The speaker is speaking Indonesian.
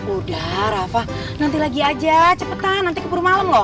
udah rafah nanti lagi aja cepetan nanti keburu malam loh